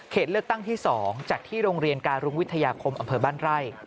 เลือกตั้งที่๒จากที่โรงเรียนการุงวิทยาคมอำเภอบ้านไร่